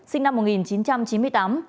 sinh năm một nghìn chín trăm chín mươi tám